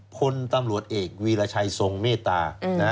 พลตำรวจเอกวีรชัยทรงเมตตา